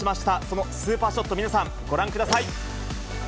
そのスーパーショット、皆さん、ご覧ください。